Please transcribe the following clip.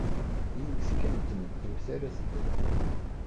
Yiwet kan n tmeddurt ara teddrem.